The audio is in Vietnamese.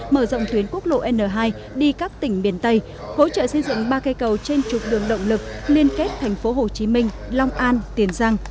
mở rộng tuyến quốc lộ n hai đi các tỉnh biển tây hỗ trợ xây dựng ba cây cầu trên trục đường động lực liên kết thành phố hồ chí minh long an tiền giang